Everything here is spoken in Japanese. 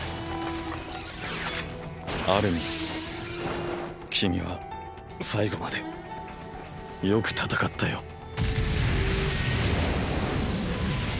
アルミン君は最期までよく戦ったよ。